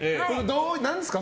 何ですか？